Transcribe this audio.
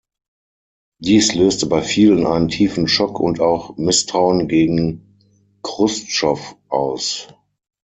Dies löste bei vielen einen tiefen Schock und auch Misstrauen gegen Chruschtschow aus.